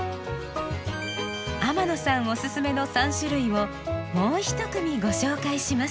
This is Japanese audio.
天野さんおすすめの３種類をもう１組ご紹介します。